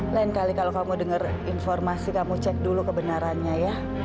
lain kali kalau kamu dengar informasi kamu cek dulu kebenarannya ya